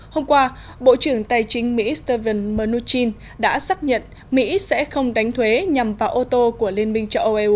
hôm qua bộ trưởng tài chính mỹ steven mnuchin đã xác nhận mỹ sẽ không đánh thuế nhằm vào ô tô của liên minh châu âu eu